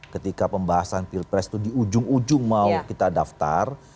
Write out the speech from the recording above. ketika pembahasan pilpres itu di ujung ujung mau kita daftar